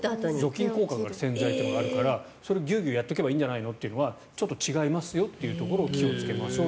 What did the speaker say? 除菌効果がある洗剤というのがあるからそれをギュウギュウやっておけばいいんじゃないのというのはちょっと違いますよというのを気をつけましょう